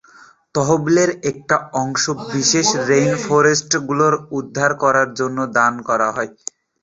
তহবিলের একটা অংশ বিশ্বের রেইনফরেস্টগুলো উদ্ধার করার জন্য দান করা হয়।